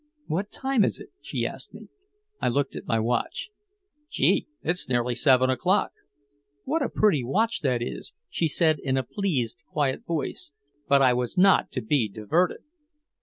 "What time is it?" she asked me. I looked at my watch. "Gee! It's nearly seven o'clock!" "What a pretty watch that is," she said in a pleased, quiet voice, but I was not to be diverted.